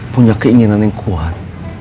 punya keinginan yang kuat